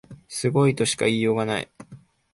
すごいとしか言いようがない